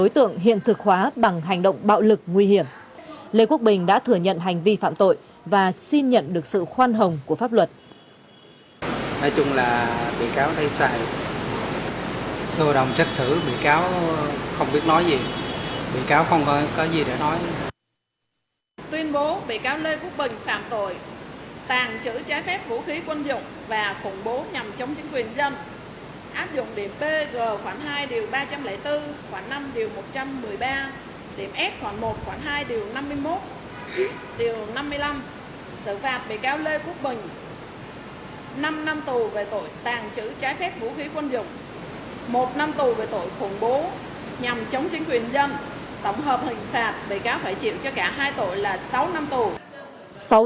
tổng hợp hình phạt bị cáo phải chịu cho cả hai tội là sáu năm tù